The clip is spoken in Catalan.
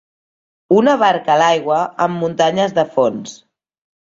Una barca a l'aigua amb muntanyes de fons.